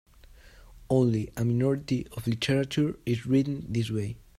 Only a minority of literature is written this way.